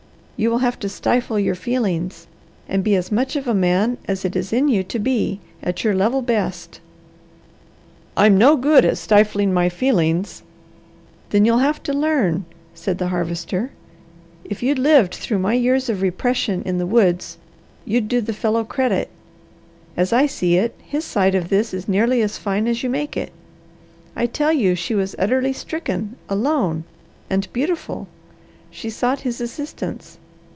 You will have to stifle your feelings, and be as much of a man as it is in you to be, at your level best." "I'm no good at stifling my feelings!" "Then you'll have to learn," said the Harvester. "If you'd lived through my years of repression in the woods you'd do the fellow credit. As I see it, his side of this is nearly as fine as you make it. I tell you she was utterly stricken, alone, and beautiful. She sought his assistance.